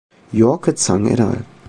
Yorke Zhang "et al.